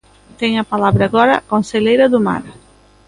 Ten a palabra agora a conselleira do Mar.